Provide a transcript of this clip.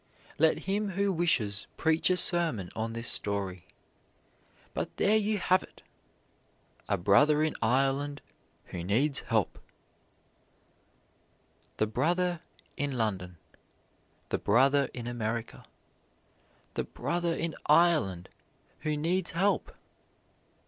Let him who wishes preach a sermon on this story. But there you have it! "A brother in Ireland who needs help " The brother in London, the brother in America, the brother in Ireland who needs help!